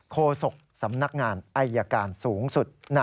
โศกสำนักงานอายการสูงสุด